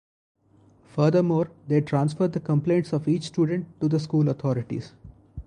Furthermore, they transfer the complaints of each student to the school authorities.